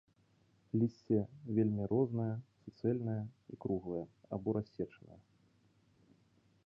Лісце вельмі рознае, суцэльнае і круглае або рассечанае.